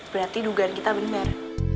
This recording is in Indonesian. berarti dugaan kita benar